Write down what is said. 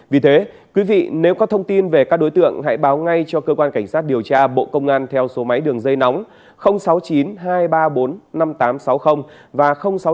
vì thế quý vị nếu có thông tin về các đối tượng hãy báo ngay cho cơ quan cảnh sát điều tra bộ công an theo số máy đường dây nóng sáu mươi chín hai trăm ba mươi bốn năm nghìn tám trăm sáu mươi và sáu mươi chín hai trăm ba mươi hai một nghìn sáu trăm sáu mươi